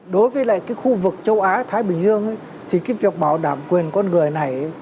đối với lại cái khu vực châu á thái bình dương thì cái việc bảo đảm quyền con người này